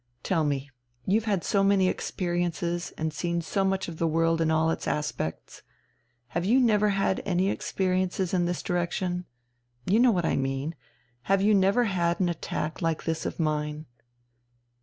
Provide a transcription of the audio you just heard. Tell me you've had so many experiences and seen so much of the world in all its aspects have you never had any experiences in this direction? You know what I mean have you never had an attack like this of mine?"